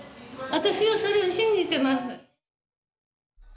私はそれを信じてます。